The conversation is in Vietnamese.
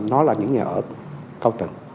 nó là những nhà ở cao tầng